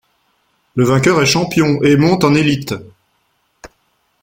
Le vainqueur est champion et monte en Élite.